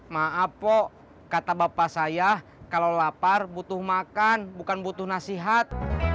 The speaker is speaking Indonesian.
maaf po kata bapak saya kalau lapar butuh makan bukan butuh nasihat